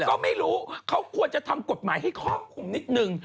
ก็ไม่รู้เขาควรจะทำกฎหมายให้ครอบคลุมนิดนึง